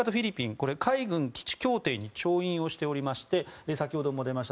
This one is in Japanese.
これは海軍基地協定に調印をしておりまして先ほども出ました